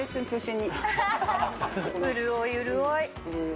潤い、潤い。